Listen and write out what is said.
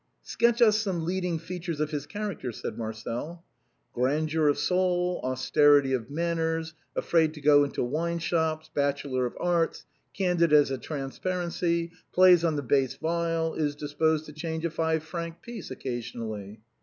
" Sketch us some leading features of his character," said Marcel. " Grandeur of soul ; austerity of manners ; afraid to go into wineshops; bachelor of arts; candid as a transpar ency; plays on the bass viol; is disposed to change a five franc piece occasionally."